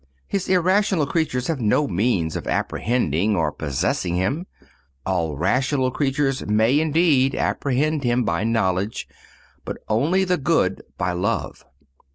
His irrational creatures have no means of apprehending or possessing Him. All rational creatures may indeed apprehend Him by knowledge, but only the good by love.